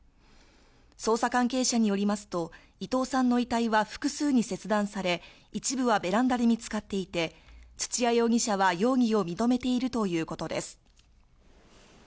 捜査関係者への取材によりますと伊藤さんの遺体は複数に切断され、一部はベランダで見つかっていて、土屋容疑者は容疑を認めているということです。